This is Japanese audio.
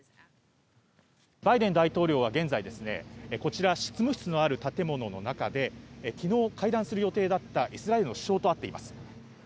バイデン大統領は現在、こちら、執務室のある建物の中で、きのう、会談する予定だったイスラエルの首相と会っています。